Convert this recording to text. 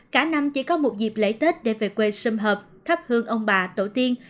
cả năm chỉ có một dịp lễ tết để về quê xâm hợp khắp hương ông bà tổ tiên